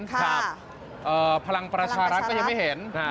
ครับพลังประชารักษณ์ก็ยังไม่เห็น